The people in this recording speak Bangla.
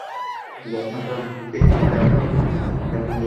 দেখেন, ভগবান সায় দিয়েছে।